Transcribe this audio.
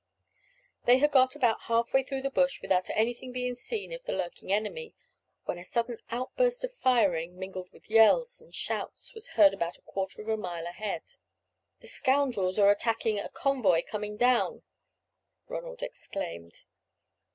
They had got about half way through the bush without anything being seen of the lurking enemy, when a sudden outburst of firing, mingled with yells and shouts, was heard about a quarter of a mile ahead. "The scoundrels are attacking a convoy coming down," Ronald exclaimed.